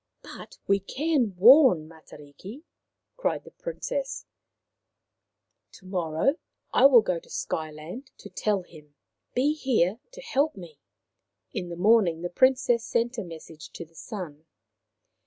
" But we can warn Matariki" cried the Prin cess. " To morrow I go to Sky land to tell him. Be here to help me." In the morning the Princess sent a message to the Sun.